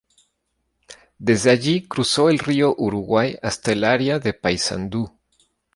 Desde allí cruzó el río Uruguay hasta el área de Paysandú.